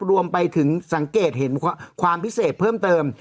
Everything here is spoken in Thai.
รวมไปถึงสังเกตเห็นความพิเศษเพิ่มเติม